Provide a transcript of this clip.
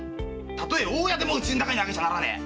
たとえ大家でも家に上げちゃならねえ！